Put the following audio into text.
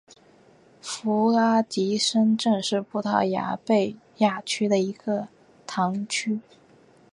弗拉迪什镇是葡萄牙贝雅区的一个堂区。